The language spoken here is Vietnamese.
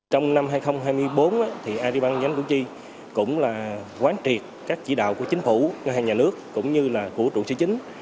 trong năm hai nghìn hai mươi bốn agribank cũng là quán triệt các chỉ đạo của chính phủ ngân hàng nhà nước cũng như của trụ sĩ chính